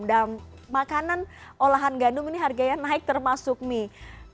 dan makanan olahan gandum ini harganya naik termasuk mie